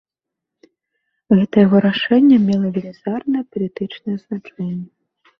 Гэта яго рашэнне мела велізарнае палітычнае значэнне.